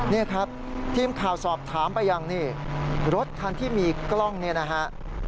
นี่ครับทีมข่าวสอบถามไปยังนี่รถคันที่มีกล้องเนี่ยนะฮะ